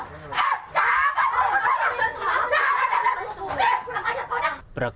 perluan kok perluan kok